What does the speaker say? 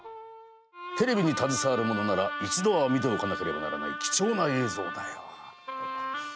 テレビに携わる者なら一度は見ておかなければならない貴重な映像だよ。